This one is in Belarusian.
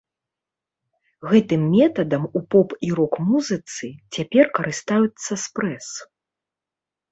Гэтым метадам у поп- і рок-музыцы цяпер карыстаюцца спрэс.